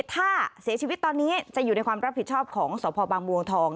ถ้าเสียชีวิตตอนนี้จะอยู่ในความรับผิดชอบของสพบางบัวทอง